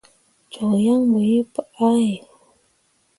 Cok yan bo yiŋ pu ʼahe.